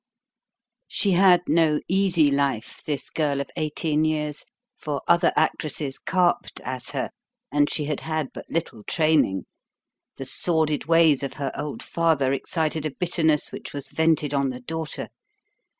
She had no easy life, this girl of eighteen years, for other actresses carped at her, and she had had but little training. The sordid ways of her old father excited a bitterness which was vented on the daughter.